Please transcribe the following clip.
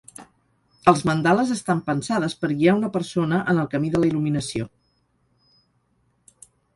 Els mandales estan pensades per guiar una persona en el camí de la il·luminació.